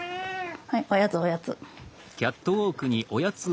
はいおやつおやつ。